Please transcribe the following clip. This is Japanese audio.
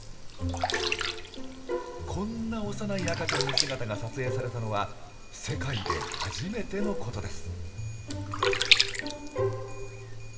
こんな幼い赤ちゃんの姿が撮影されたのは世界で初めてのことです。